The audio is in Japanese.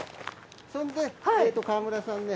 それで川村さんね。